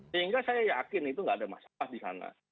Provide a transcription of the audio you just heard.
sehingga saya yakin itu nggak ada masalah di sana